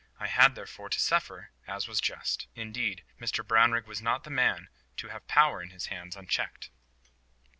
I had, therefore, to suffer, as was just. Indeed, Mr Brownrigg was not the man to have power in his hands unchecked.